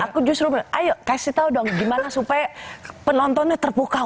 aku justru ayo kasih tau dong gimana supaya penontonnya terbuka